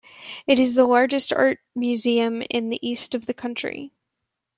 It is the largest art museum in the east of the country.